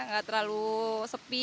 gak terlalu sepi